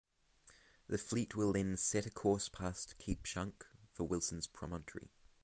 The fleet will then set a course past Cape Schank for Wilson's Promontory.